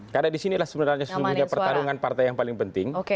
karena di sinilah sebenarnya pertarungan partai yang paling penting